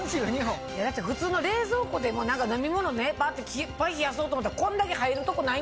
普通の冷蔵庫でも飲み物いっぱい冷やそうと思ったらこんだけ入るとこない。